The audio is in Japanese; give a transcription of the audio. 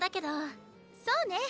そうね。